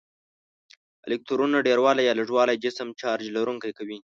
الکترونونو ډیروالی یا لږوالی جسم چارج لرونکی کوي.